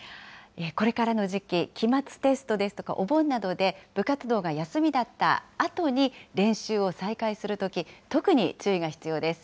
これからの時期、期末テストですとかお盆などで、部活動が休みだったあとに、練習を再開するとき、特に注意が必要です。